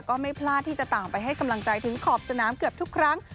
ก็ไม่พลาดที่จะต่างไปให้กำลังใจถึงขอบสนามเกือบทุกครั้ง